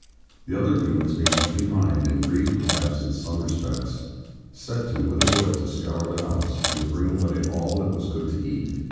The other Doones being left behind, and grieved perhaps in some respects, set to with a will to scour the house, and to bring away all that was good to eat.